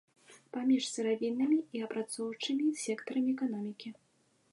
Паміж сыравіннымі і апрацоўчымі сектарамі эканомікі.